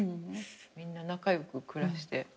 みんな仲良く暮らしてるよね。